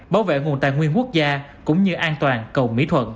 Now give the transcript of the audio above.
bảo vệ nguồn tài nguyên quốc gia cũng như an toàn cầu mỹ thuận